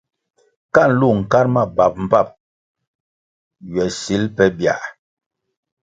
Ka nlu nkar ma bap mbpap ywe sil pe biãh.